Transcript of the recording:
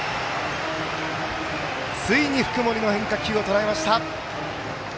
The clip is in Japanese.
ついに福盛の変化球をとらえました。